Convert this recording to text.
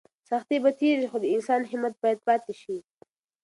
سختۍ به تېرې شي خو د انسان همت باید پاتې شي.